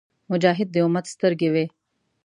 مجاهد د امت سترګې وي.